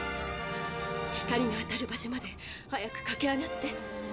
光があたる場所まで早くかけ上がって。